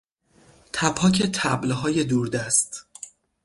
تپاک طبلهای دوردست